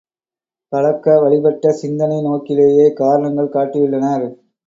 பழக்க வழிப்பட்ட சிந்தனை நோக்கிலேயே காரணங்கள் காட்டியுள்ளனர்.